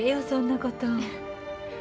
そんなこと。